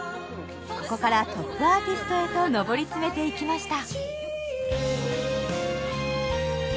ここからトップアーティストへと上り詰めていきました